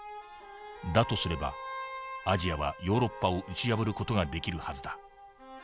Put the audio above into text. だとすればアジアはヨーロッパを打ち破る事ができるはずだ。